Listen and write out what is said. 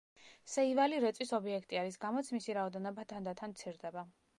სეივალი რეწვის ობიექტია, რის გამოც მისი რაოდენობა თანდათან მცირდება.